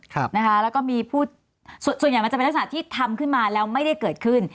แล้วก็มีผู้ส่วนใหญ่มันจะเป็นลักษณะที่ทำขึ้นมาแล้วไม่ได้เกิดขึ้น